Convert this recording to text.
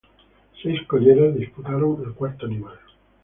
Seis colleras disputaron el cuarto animal.